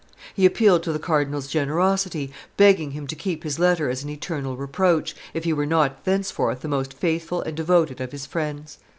He appealed to the cardinal's generosity, begging him to keep his letter as an eternal reproach, if he were not thenceforth the most faithful and devoted of his friends.